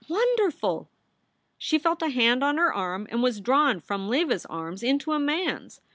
Wonderful ! She felt a hand on her arm and was drawn from Leva s arms into a man s.